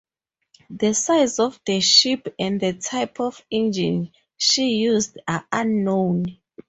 The size of the ship and the type of engine she used are unknown.